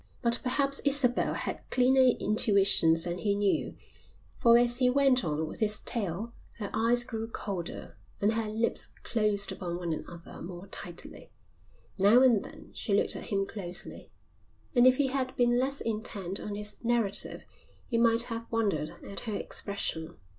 But perhaps Isabel had keener intuitions than he knew, for as he went on with his tale her eyes grew colder and her lips closed upon one another more tightly. Now and then she looked at him closely, and if he had been less intent on his narrative he might have wondered at her expression.